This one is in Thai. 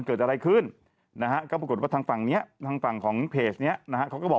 เกิดอะไรขึ้นนะฮะก็ปรากฏว่าทางฝั่งเนี้ยทางฝั่งของเพจเนี้ยนะฮะเขาก็บอก